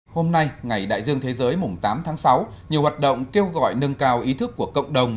hôm nay ngày đại dương thế giới mùng tám tháng sáu nhiều hoạt động kêu gọi nâng cao ý thức của cộng đồng